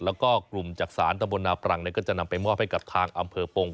แล้วก็กลุ่มจักษานตะบลนาปรังก็จะนำไปมอบให้กับทางอำเภอปง